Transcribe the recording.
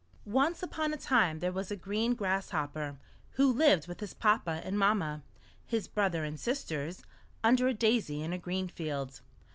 ONCE upon a time there was a green Grass hopper, who lived with his papa and mamma, his brother and sisters, under a daisy in a green field.